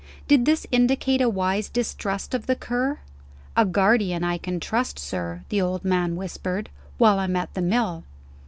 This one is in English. Did this indicate a wise distrust of the Cur? "A guardian I can trust, sir," the old man whispered, "while I'm at the mill."